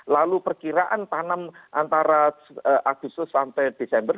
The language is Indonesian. lalu perkiraan tanam antara agustus sampai desember